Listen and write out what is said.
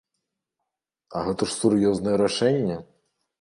А гэта ж сур'ёзнае рашэнне!